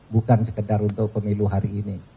bukan sekedar untuk pemilu hari ini